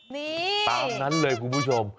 นี่ตามนั้นเลยคุณผู้ชม